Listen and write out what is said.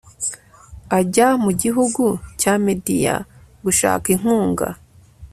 ajya mu gihugu cya mediya gushaka inkunga